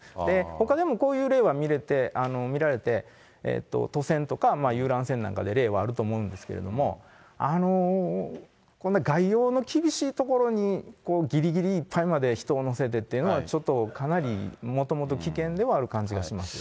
ほかでもこういう例は見られて、渡船とか、遊覧船なんかで例はあると思うんですけど、こんな外洋の厳しい所に、ぎりぎりいっぱいまで人を乗せてっていうのは、ちょっと、かなり、もともと危険ではある感じがします。